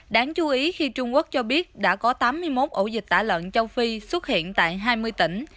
đáng chú ý khi trung quốc cho biết đã có tám mươi một ổ dịch tả lợn châu phi xuất hiện tại hai mươi tỉnh